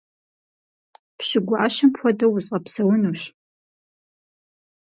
Пщы гуащэм хуэдэу узгъэпсэунущ.